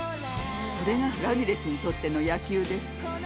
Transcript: それがラミレスにとっての野球です。